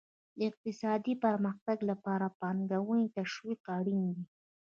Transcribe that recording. د اقتصادي پرمختګ لپاره د پانګونې تشویق اړین دی.